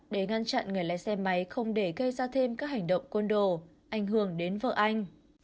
để ngăn chặn người lái xe máy không để gây ra thêm các hành động côn đồ ảnh hưởng đến vợ anh